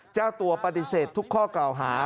เจ้าตัวต่อตอนปฏิเสธทุกข้อกราวฮา